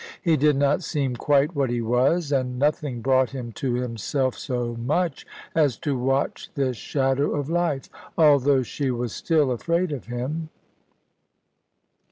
He did not seem quite what he was. And nothing brought him to himself so much as to watch this shadow of life; although she was still afraid of him.